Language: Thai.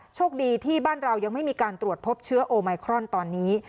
โชคดีที่บ้านเรายังไม่มีการตรวจพบเชื้อโอไมครอนตอนนี้